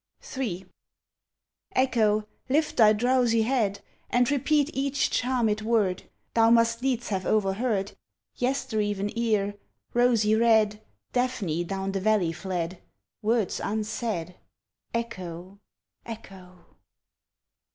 III Echo, lift thy drowsy head, And repeat each charmed word Thou must needs have overheard Yestere'en ere, rosy red, Daphne down the valley fled Words unsaid, Echo! Echo!